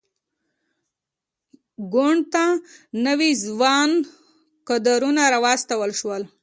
ګوند ته نوي ځوان کدرونه راوستل شول.